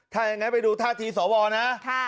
ถ้าอย่างงั้นไปดูธาตุที่สวนะ